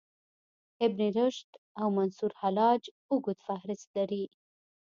ابن رشد او منصورحلاج اوږد فهرست لري.